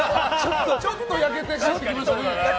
ちょっと焼けて帰ってきましたね。